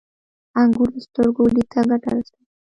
• انګور د سترګو لید ته ګټه رسوي.